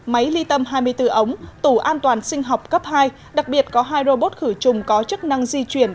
máy ly tâm hai mươi bốn ống tủ an toàn sinh học cấp hai đặc biệt có hai robot khử trùng có chức năng di chuyển